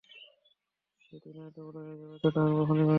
তবে টিনা এত বড় হয়ে যাবে, এটাতো আমি কখনই ভাবিনি।